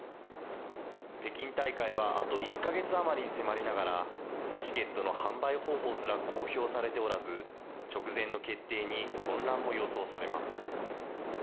北京大会はあと１か月あまりに迫りながら、チケットの販売方法すら公表されておらず、直前の決定に混乱も予想されています。